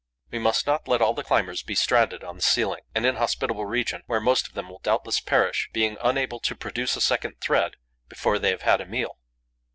We must not let all the climbers be stranded on the ceiling, an inhospitable region where most of them will doubtless perish, being unable to produce a second thread before they have had a meal.